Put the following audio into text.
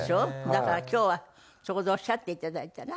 だから今日はそこでおっしゃっていただいたら？